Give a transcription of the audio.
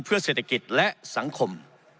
เพื่อเศรษฐกิจและสังคม